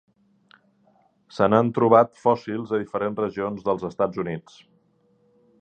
Se n'han trobat fòssils a diferents regions dels Estats Units.